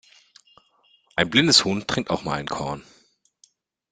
Ein blindes Huhn trinkt auch mal einen Korn.